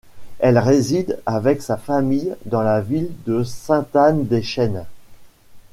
Elle réside avec sa famille dans la ville de Sainte-Anne-des-chênes.